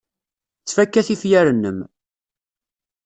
Ttfaka tifyar-nnem.